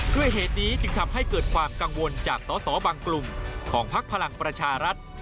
ด้วยเหตุนี้จึงทำให้เกิดความกังวลจากสอสอบางกลุ่มของพักพลังประชารัฐ